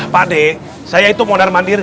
pak d saya itu mondar mandir